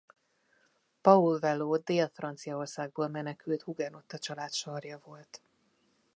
Paul Wallot dél-franciaországból menekült hugenotta család sarja volt.